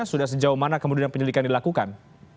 sudah sejauh mana kemudian penyelidikan dilakukan